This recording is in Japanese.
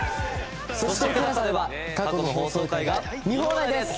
そしてＴＥＬＡＳＡでは過去の放送回が見放題です！